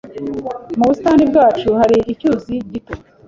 Mu busitani bwacu hari icyuzi gito.